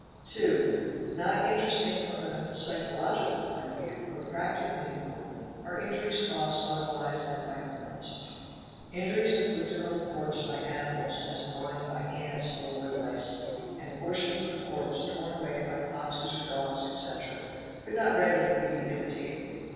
: g 2. Not interesting from a psychological point of view, but practi cally important, are injuries caused otherwise than by criminals. Injuries inflicted on a corpse by animals, as gnawing by ants or woodlice, and portions of the corpse torn away by foxes or dogs, etc., could not readily be imitated.